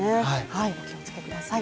お気を付けください。